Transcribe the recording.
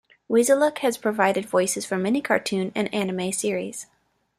Weseluck has provided voices for many cartoon and anime series.